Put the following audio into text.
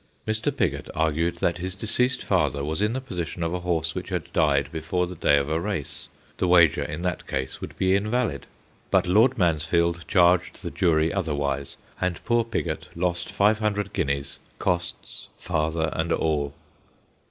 Mr. Pigot argued that his deceased father was in the position of a horse which had died before the day of a race : the wager in that case would be invalid. But Lord Mansfield charged the jury otherwise, and poor Pigot lost five hundred guineas, costs, father, and all.